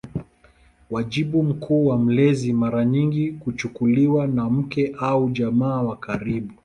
Wajibu mkuu wa mlezi mara nyingi kuchukuliwa na mke au jamaa wa karibu.